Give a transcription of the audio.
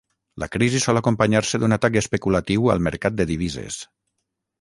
La crisi sol acompanyar-se d'un atac especulatiu al mercat de divises.